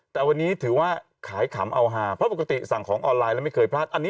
แต่วันนี้ถือว่าขายขำเอาหาเพราะปกติสั่งของออนไลน์แล้วไม่เคยพลาด